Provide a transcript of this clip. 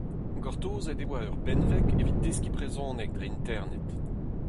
Gortozet e oa ur benveg evit deskiñ brezhoneg dre Internet.